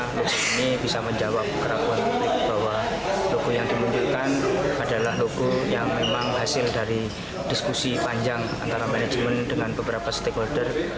untuk ini bisa menjawab keraguan publik bahwa logo yang dimunculkan adalah logo yang memang hasil dari diskusi panjang antara manajemen dengan beberapa stakeholder